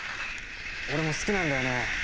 俺も好きなんだよね。